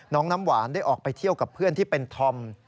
น้ำหวานได้ออกไปเที่ยวกับเพื่อนที่เป็นธอม